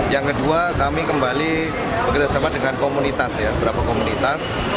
yang kedua kami kembali bekerjasama dengan komunitas ya beberapa komunitas